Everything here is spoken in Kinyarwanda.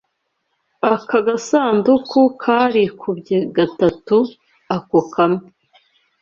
Aka gasanduku karikubye gatatu ako kamwe.